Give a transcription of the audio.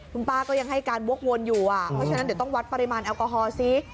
คุณป้าก็ยังให้การวกวนอยู่อ่ะเพราะฉะนั้นเดี๋ยวต้องวัดปริมาณแอลกอฮอลซิ